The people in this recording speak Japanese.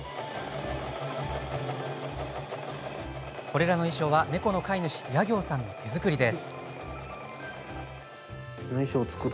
これらの衣装は猫の飼い主夜行さんの手作りです。